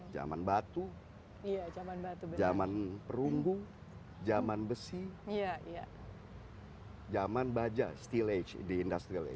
zaman batu zaman perunggung zaman besi zaman baja steel age industrial age